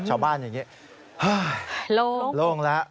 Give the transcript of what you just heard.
ชาวบ้านอย่างนี้โล่งแล้ว